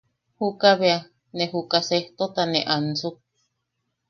Juka bea... ne juka sejtota ne ansuk.